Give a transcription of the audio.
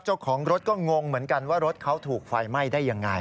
เจ้าของรถก็งงเหมือนกันว่ารถเขาถูกไฟไหม้ได้ยังไง